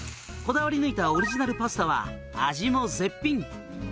「こだわり抜いたオリジナルパスタは味も絶品」